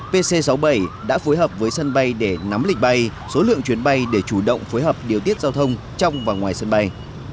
pc sáu mươi bảy đã phối hợp với sân bay để nắm lịch bay số lượng chuyến bay để chủ động phối hợp điều tiết giao thông trong và ngoài sân bay